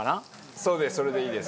そうですそれでいいです。